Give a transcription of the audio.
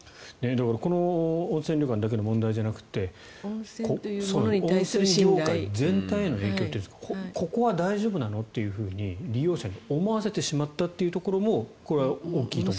この温泉旅館だけの問題じゃなくて温泉業界全体への影響というかここは大丈夫なの？と利用者に思わせてしまったというところもこれは大きいと思いますね。